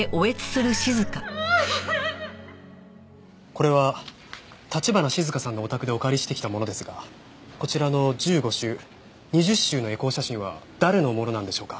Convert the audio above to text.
これは橘静香さんのお宅でお借りしてきたものですがこちらの１５週２０週のエコー写真は誰のものなんでしょうか？